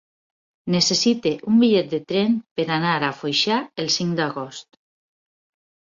Necessito un bitllet de tren per anar a Foixà el cinc d'agost.